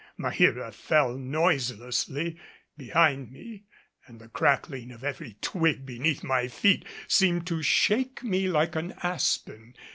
Maheera fell noiselessly behind me, and the crackling of every twig beneath my feet seemed to shake me like an aspen.